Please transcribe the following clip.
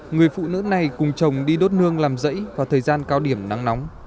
người phụ nữ này cùng chồng đi đốt nương làm rẫy vào thời gian cao điểm nắng nóng